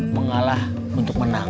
mengalah untuk menang